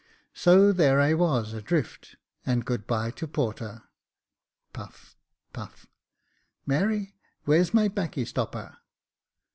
So there I was adrift, and good bye to porter. [Puff, pufF; " Mary, where's my 'baccy stopper ?